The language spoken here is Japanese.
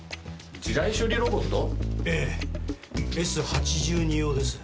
ええ「Ｓ８２」用です。